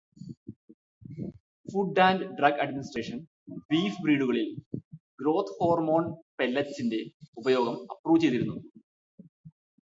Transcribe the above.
Food and drug administration beef ബ്രീഡുകളിൽ growth hormone പെല്ലറ്റ്സിന്റെ ഉപയോഗം അപ്രൂവ് ചെയ്തിരുന്നു.